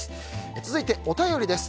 続いて、お便りです。